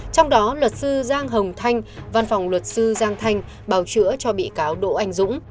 trong đó luật sư giang hồng thanh văn phòng luật sư giang thanh bào chữa cho bị cáo đỗ anh dũng